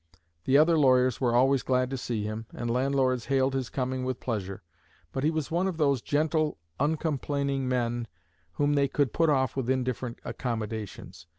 The other lawyers were always glad to see him, and landlords hailed his coming with pleasure; but he was one of those gentle, uncomplaining men whom they would put off with indifferent accommodations.